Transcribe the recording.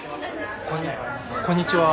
こんにちは。